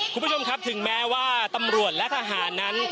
คุณผู้ชมครับถึงแม้ว่าตำรวจและทหารนั้น